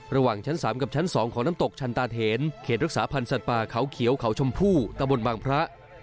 ระหว่างชั้น๓กับชั้น๒ของน้ำตกชันตาเถนเขตรักษาพันธ์สัตว์ป่าเขาเขียวเขาชมพู่ตะบนบางพระ